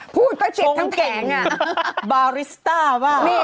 พูดไปเจ็บทั้งแผงอ่าบาริสต้าหรือเปล่าชงแข็ง